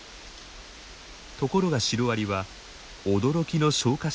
ところがシロアリは驚きの消化